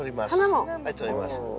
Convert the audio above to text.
はいとります。